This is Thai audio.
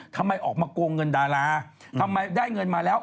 ทำไมออกมาโกงเงินดาราทำไมได้เงินมาแล้ว